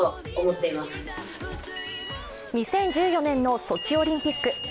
２０１４年のソチオリンピック。